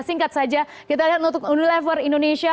singkat saja kita lihat untuk unilever indonesia